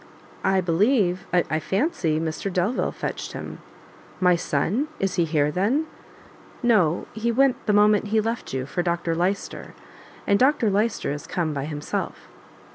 "I believe I fancy Mr Delvile fetched him." "My son? is he here, then?" "No, he went, the moment he left you, for Dr Lyster, and Dr Lyster is come by himself."